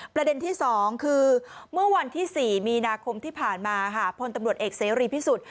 ประเด็นที่๒คือเมื่อวันที่๔มีนาคมที่ผ่านมาค่ะพลตำรวจเอกเสรีพิสุทธิ์